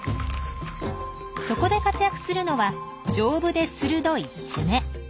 そこで活躍するのは丈夫で鋭い爪。